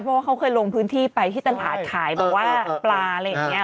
เพราะว่าเขาเคยลงพื้นที่ไปที่ตลาดขายแบบว่าปลาอะไรอย่างนี้